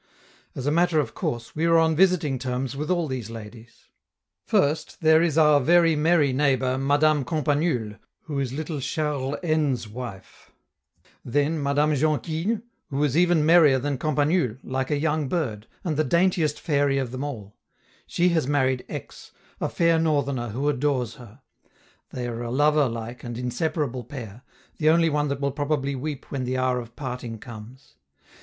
As a matter of course, we are on visiting terms with all these ladies. First, there is our very merry neighbor Madame Campanule, who is little Charles N 's wife; then Madame Jonquille, who is even merrier than Campanule, like a young bird, and the daintiest fairy of them all; she has married X , a fair northerner who adores her; they are a lover like and inseparable pair, the only one that will probably weep when the hour of parting comes.